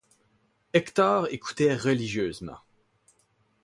Hector écoutait religieusement.